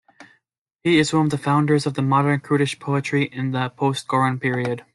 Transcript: He is one of the founders of modern Kurdish poetry in the post-Goran period.